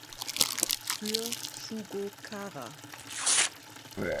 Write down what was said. Für "Shugo Chara!